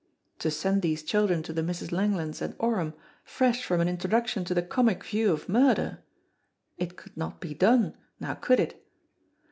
To send these children to the Misses Langlands and Oram, fresh from an introduction to the comic view of murder! It could not be done, now could it?